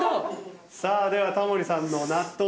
さあではタモリさんの納豆ダシ。